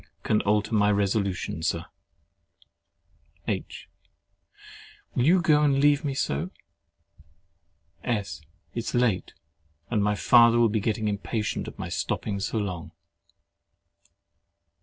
Nothing can alter my resolution, Sir. H. Will you go and leave me so? S. It is late, and my father will be getting impatient at my stopping so long.